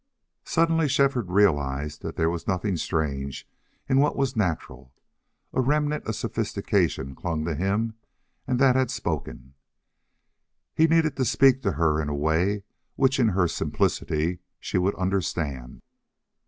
Suddenly Shefford realized that there was nothing strange in what was natural. A remnant of sophistication clung to him and that had spoken. He needed to speak to her in a way which in her simplicity she would understand.